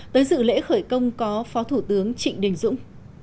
tới dự lễ khởi công có phó thủ tướng trịnh đình dũng